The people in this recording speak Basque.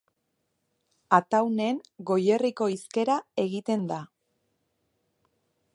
Ataunen Goierriko hizkera egiten da.